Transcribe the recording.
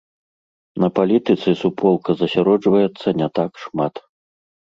На палітыцы суполка засяроджваецца не так шмат.